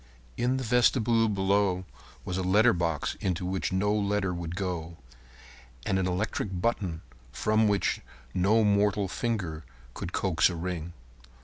In the vestibule below was a letter box into which no letter would go, and an electric button from which no mortal finger could coax a ring.